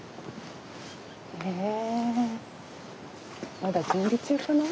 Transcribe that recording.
まだ準備中かな？